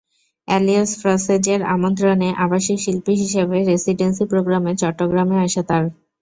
Alliance ফ্রঁসেজের আমন্ত্রণে আবাসিক শিল্পী হিসেবে রেসিডেন্সি প্রোগ্রামে চট্টগ্রামে আসা তাঁর।